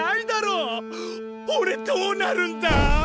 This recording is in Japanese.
おれどうなるんだ！？